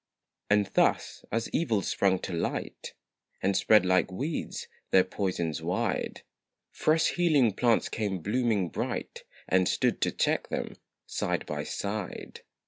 And thus, as evils sprung to light, And spread, like weeds, their poisons wide, Fresh healing plants came blooming bright, And stood, to check them, side by side.